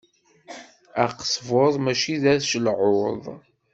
Aqesbuḍ mačči d acelɛuḍ.